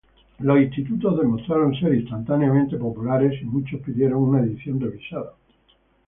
Los Institutos demostraron ser instantáneamente populares, y muchos pidieron una edición revisada.